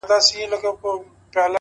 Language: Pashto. چي تا په گلابي سترگو پرهار پکي جوړ کړ ـ